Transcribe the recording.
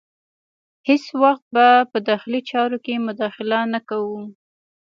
هیڅ وخت به په داخلي چارو کې مداخله نه کوو.